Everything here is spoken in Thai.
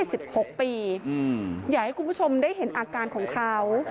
อยากให้คุณผู้ชมได้เห็นอาการของเขา